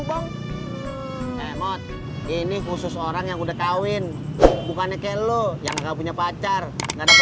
bang emot ini khusus orang yang udah kawin bukannya kayak lu yang gak punya pacar nggak dapat